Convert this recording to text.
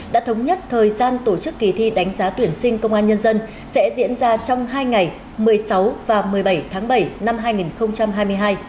đã thống nhất thời gian tổ chức kỳ thi đánh giá tuyển sinh công an nhân dân sẽ diễn ra trong hai ngày một mươi sáu và một mươi bảy tháng bảy năm hai nghìn hai mươi hai